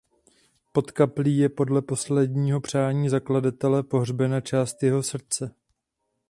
Pod kaplí je podle posledního přání zakladatele pohřbena část jeho srdce.